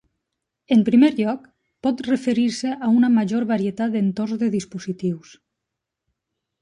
En primer lloc, pot referir-se a una major varietat d'entorns de dispositius.